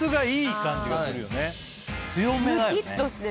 強めだよね。